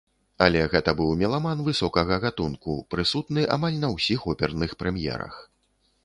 Але гэта быў меламан высокага гатунку, прысутны амаль на ўсіх оперных прэм'ерах.